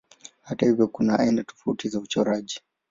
Hata hivyo kuna aina tofauti za uchoraji.